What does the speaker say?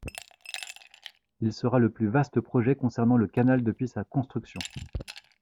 Il sera le plus vaste projet concernant le Canal depuis sa construction.